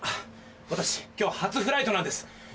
私今日初フライトなんです。